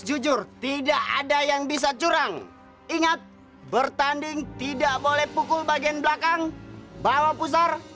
jujur tidak ada yang bisa curang ingat bertanding tidak boleh pukul bagian belakang bawa pusar